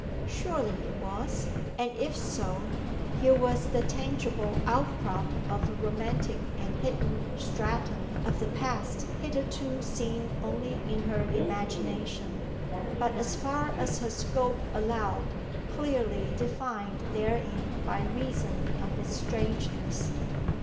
Surely it was. And if so, here was the tangible outcrop of a romantic and hidden stratum of the past hitherto seen only in her imagination; but as far as her scope allowed, clearly defined therein by reason of its strangeness.